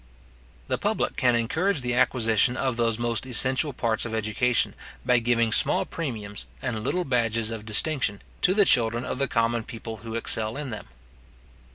The public can encourage the acquisition of those most essential parts of education, by giving small premiums, and little badges of distinction, to the children of the common people who excel in them.